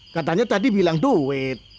katanya tadi bilang duit